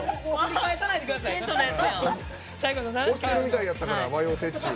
押してるみたいやったから和洋折ちゅう。